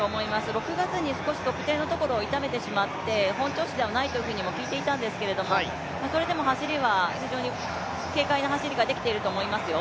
６月に少し足底を痛めてしまって、本調子ではないと聞いていたんですが、それでも走りは非常に軽快な走りができていると思いますよ。